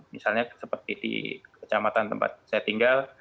misalnya seperti di kecamatan tempat saya tinggal